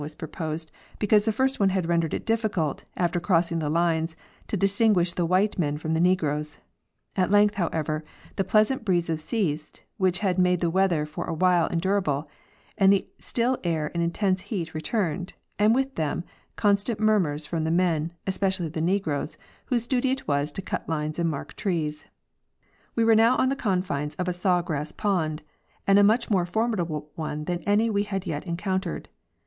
was proposed, because the first one had rendered it difficult, after crossing the lines, to distinguish the white men from the negroes At length, however, the pleasant breezes ceased, which had made the weather for a while endurable, and the still air and intense heat returned, and with them constant murmurs from the men, especially the negroes, whose duty it was to cut lines and mark trees. We were now on the confines of a saw grass pond, and a much more formidable one than any we had yet encountered.